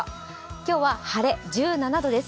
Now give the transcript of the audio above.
今日は晴れ、１７度です。